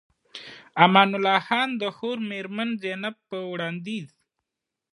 د امان الله خان د خور مېرمن زينب په وړانديز